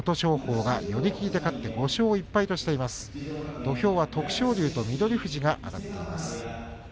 土俵は徳勝龍と翠富士が上がっています。